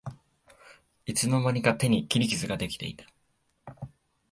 いつの間にか手に切り傷ができてた